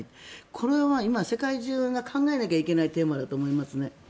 これは今、世界中が考えなきゃいけないテーマだと思います。